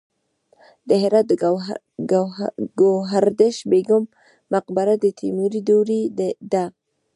د هرات د ګوهردش بیګم مقبره د تیموري دورې ده